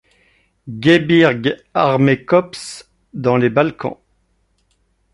Gebirgs-Armeekorps dans les Balkans.